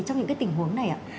trong những cái tình huống này ạ